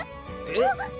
えっ？